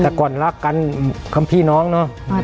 แต่ก่อนรักกันคำพี่น้องเนอะ